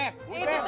itu tujuannya bu